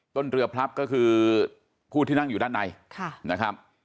ต้นเรือพลับก็คือผู้ที่นั่งอยู่ด้านในนะครับ